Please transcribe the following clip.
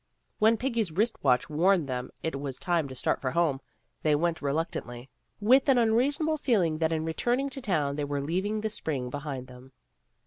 When Peggy's wrist watch warned them it was time to start for home, they went reluctantly, with an unreasonable feeling that in returning to town they were leaving the spring behind them.